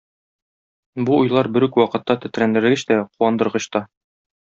Бу уйлар бер үк вакытта тетрәндергеч тә, куандыргыч та...